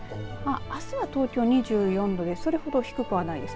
あすは東京２４度でそれほど低くはないです。